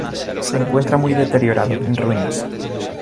Se encuentra muy deteriorado, en ruinas.